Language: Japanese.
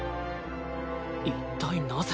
一体なぜ？